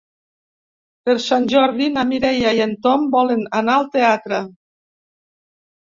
Per Sant Jordi na Mireia i en Tom volen anar al teatre.